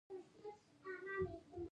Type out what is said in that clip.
ما هیڅکله داسې څه نه دي لیدلي